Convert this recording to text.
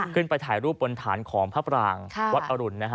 ขึ้นไปถ่ายรูปบนฐานของพระปรางวัดอรุณนะฮะ